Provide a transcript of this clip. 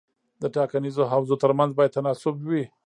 د ټاکنیزو حوزو ترمنځ باید تناسب وي.